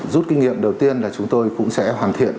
rút kinh nghiệm đầu tiên là chúng tôi cũng sẽ hoàn thiện